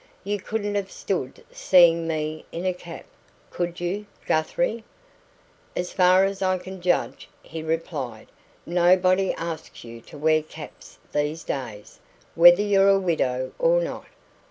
"You couldn't have stood seeing me in a cap, could you, Guthrie?" "As far as I can judge," he replied, "nobody asks you to wear caps these days, whether you're a widow or not.